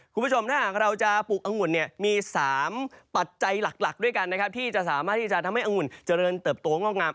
คุณผู้ชมถ้าหากเราจะปลูกองุ่นมี๓ปัจจัยหลักด้วยกันที่จะสามารถทำให้องุ่นเจริญเติบตัวงอกงาม